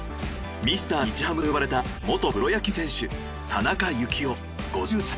ミスター日ハムと呼ばれた元プロ野球選手田中幸雄５３歳。